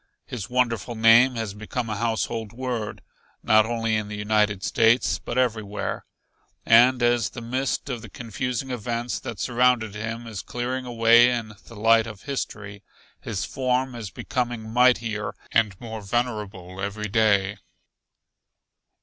His wonderful name has become a household word, not only in the United States but everywhere. And as the mist of the confusing events that surrounded him is clearing away in the light of history, his form is becoming mightier and more venerable every day.